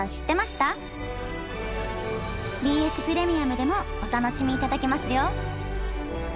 ＢＳプレミアムでもお楽しみいただけますよ！